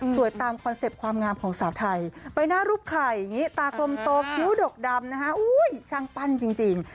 ตามคอนเซ็ปต์ความงามของสาวไทยไปหน้ารูปไข่อย่างนี้ตากลมโตคิ้วดกดำนะฮะช่างปั้นจริง